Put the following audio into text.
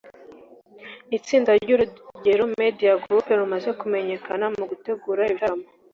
Itsinda ry’urugero media group rumaze kumenyekana mu gutegura ibitaramo